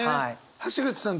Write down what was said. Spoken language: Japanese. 橋口さん